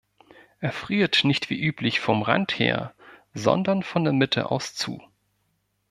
Er friert nicht wie üblich vom Rand her, sondern von der Mitte aus zu.